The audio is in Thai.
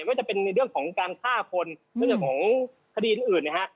ก็จะเป็นในเรื่องของการฆ่าคนเรื่องของคดีอื่นนะฮะ